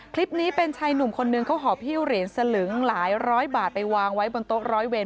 คลิปนี้เป็นชายหนุ่มคนนึงเขาหอบฮิ้วเหรียญสลึงหลายร้อยบาทไปวางไว้บนโต๊ะร้อยเวร